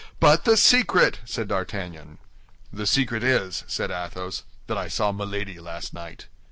"But the secret!" said D'Artagnan. "The secret is," said Athos, "that I saw Milady last night."